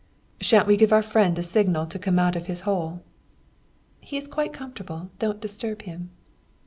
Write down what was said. "Sha'n't we give our friend a signal to come out of his hole?" "He is quite comfortable don't disturb him."